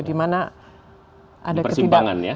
di persimpangan ya